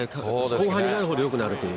後半になるほどよくなるという。